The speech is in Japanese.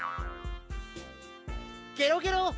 ゲロゲロ。